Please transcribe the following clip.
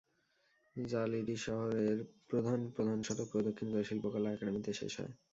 র্যা লিটি শহরের প্রধান প্রধান সড়ক প্রদক্ষিণ করে শিল্পকলা একাডেমিতে শেষ হয়।